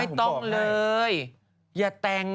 ต้องเลยอย่าแต่ง